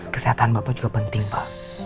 kesehatan bapak juga pentingnya